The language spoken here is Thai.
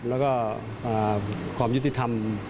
แล้วก็ความยุติธรรม